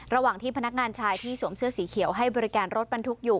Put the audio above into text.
ระหว่างที่พนักงานชายที่สวมเสื้อสีเขียวให้บริการรถบรรทุกอยู่